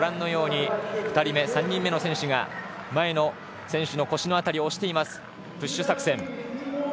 ２人目、３人目の選手が前の選手の腰の辺りを押しています、プッシュ作戦。